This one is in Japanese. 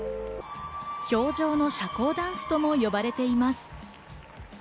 氷上の社交ダンスとも呼ばれています。